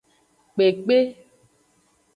Kpekpe.